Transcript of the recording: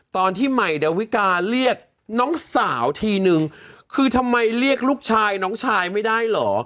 ตอนที่ใหม่ดาวิกาเรียกน้องสาวทีนึงคือทำไมเรียกลูกชายน้องชายไม่ได้เหรอ